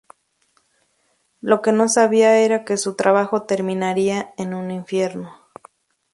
Lo que no sabía era que su trabajo terminaría en un infierno.